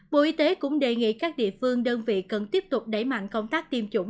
bộ y tế cũng đề nghị các địa phương đơn vị cần tiếp tục đẩy mạnh công tác tiêm chủng